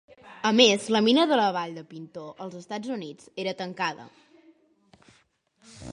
A més, la mina de la Vall de Pinto als Estats Units era tancada.